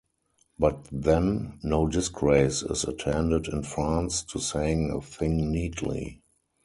But then no disgrace is attached in France to saying a thing neatly.